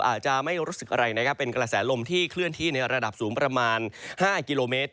อาจจะไม่รู้สึกอะไรนะครับเป็นกระแสลมที่เคลื่อนที่ในระดับสูงประมาณ๕กิโลเมตร